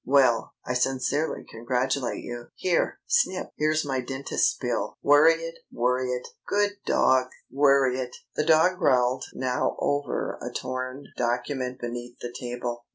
Well, I sincerely congratulate you.... Here, Snip, here's my dentist's bill worry it, worry it! Good dog! Worry it!" (The dog growled now over a torn document beneath the table.)